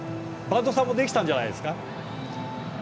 播戸さんもできたんじゃないですか？